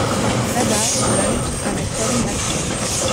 Là bas, Blunt avec hommes l'attend.